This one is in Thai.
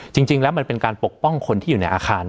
จริงแล้วมันเป็นการปกป้องคนที่อยู่ในอาคาร